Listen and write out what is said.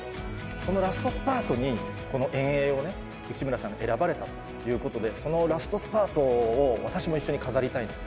そのラストスパートに、この遠泳を内村さんが選ばれたということで、そのラストスパートを私も一緒に飾りたいと。